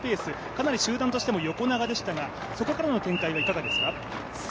かなり集団としても横長でしたが、そこから展開はいかがでしたか？